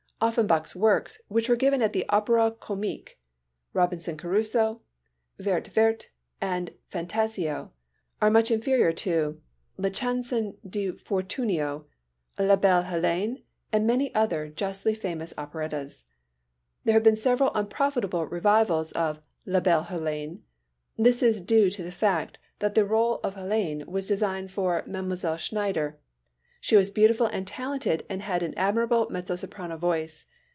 Offenbach's works which were given at the Opéra Comique—Robinson Crusoé, Vert Vert, and Fantasio are much inferior to La Chanson de Fortunio, La Belle Hélène and many other justly famous operettas. There have been several unprofitable revivals of La Belle Hélène. This is due to the fact that the rôle of Hélène was designed for Mlle. Schneider. She was beautiful and talented and had an admirable mezzo soprano voice.